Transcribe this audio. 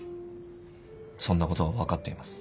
そんなことは分かっています。